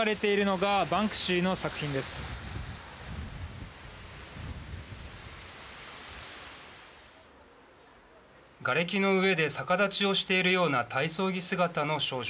がれきの上で逆立ちをしているような体操着姿の少女。